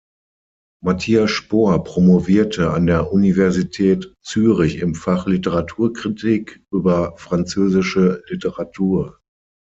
Mathias Spohr promovierte an der Universität Zürich im Fach Literaturkritik über französische Literatur.